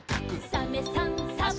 「サメさんサバさん」